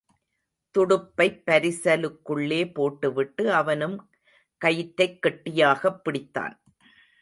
துடுப்பைப் பரிசலுக்குள்ளே போட்டுவிட்டு அவனும் கயிற்றைக் கெட்டியாகப் பிடித்தான்.